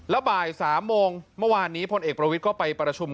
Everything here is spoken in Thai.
แล้วบ่าย๓โมงเมื่อวานนี้พลเอกประวิทย์ก็ไปประชุม